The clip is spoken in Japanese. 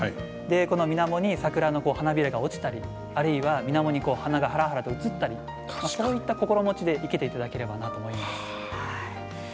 みなもに桜の花びらが落ちたり花がはらはらと映ったりそういった心持ちで生けていただければと思います。